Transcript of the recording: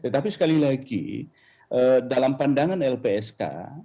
tetapi sekali lagi dalam pandangan lpsk